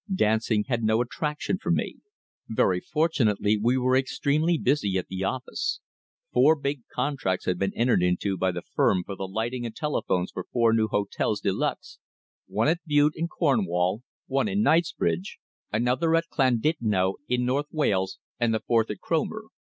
Dancing had no attraction for me. Very fortunately we were extremely busy at the office. Four big contracts had been entered into by the firm for the lighting and telephones for four new hotels de luxe, one at Bude, in Cornwall, one in Knightsbridge, another at Llandudno, in North Wales, and the fourth at Cromer.